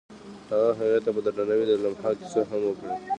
هغه هغې ته په درناوي د لمحه کیسه هم وکړه.